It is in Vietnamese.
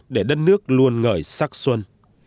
để đất nước luôn ngời sắc xuân